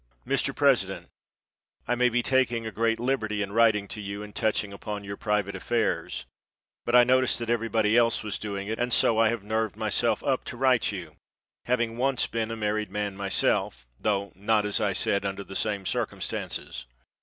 Mr. President, I may be taking a great liberty in writing to you and touching upon your private affairs, but I noticed that everybody else was doing it and so I have nerved myself up to write you, having once been a married man myself, though not, as I said, under the same circumstances.